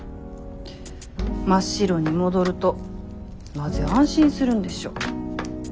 真っ白に戻るとなぜ安心するんでしょう。